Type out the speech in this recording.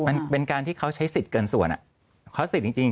มันเป็นการที่เขาใช้สิทธิ์เกินส่วนเขาสิทธิ์จริง